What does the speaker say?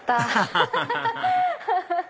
アハハハ！